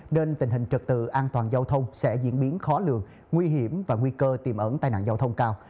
nên tình hình trật tự an toàn giao thông sẽ diễn biến khó lường nguy hiểm và nguy cơ tiềm ẩn tai nạn giao thông cao